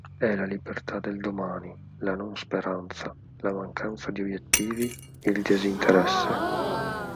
È la libertà del domani, la non speranza, la mancanza di obiettivi, il disinteresse.